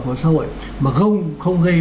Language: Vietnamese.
của xã hội mà không gây